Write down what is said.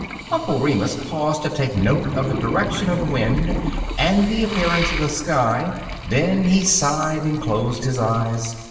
Uncle Remus paused to take note of the direction of the wind and the appearance of the sky; then he sighed and closed his eyes.